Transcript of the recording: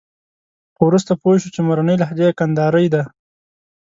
خو وروسته پوه شو چې مورنۍ لهجه یې کندارۍ ده.